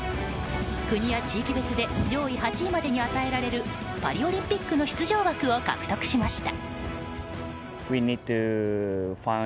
国や地域別で上位８位までに与えられるパリオリンピックの出場枠を獲得しました。